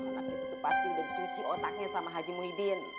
anak itu pasti udah dicuci otaknya sama haji muhyiddin